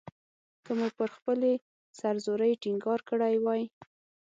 که مو پر خپلې سر زورۍ ټینګار کړی وای.